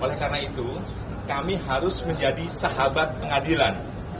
oleh karena itu kami harus menjadi sahabat pengadilan